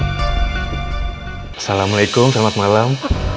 assalamualaikum selamat malam